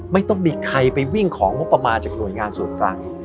ไม่ต้องมีใครไปวิ่งของงบประมาณจากหน่วยงานส่วนกลาง